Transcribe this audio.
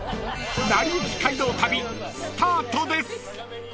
［『なりゆき街道旅』スタートです］